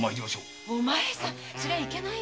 お前さんそりゃいけないよ！